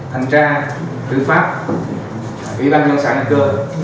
hành trang tử pháp ủy ban nhân sản cơ